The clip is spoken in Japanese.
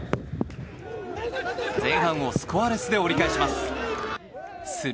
前半をスコアレスで折り返します。